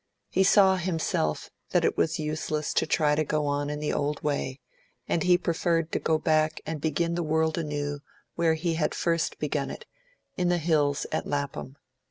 He saw himself that it was useless to try to go on in the old way, and he preferred to go back and begin the world anew where he had first begun it, in the hills at Lapham.